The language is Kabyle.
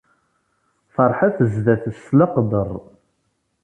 Ferḥet sdat-s s leqder.